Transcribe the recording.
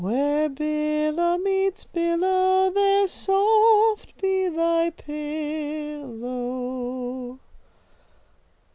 "'Where billow meets billow, there soft be thy pillow.